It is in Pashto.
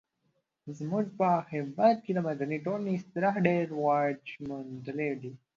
زموږ په هېواد کې د مدني ټولنې اصطلاح ډیر رواج موندلی دی.